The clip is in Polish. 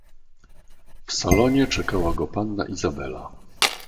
"W salonie czekała go panna Izabela."